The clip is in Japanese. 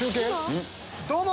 どうも！